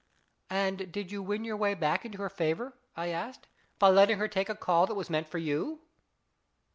" And did you win your way back into her favour ?" I asked, " by letting her take a ' call ' that was meant for you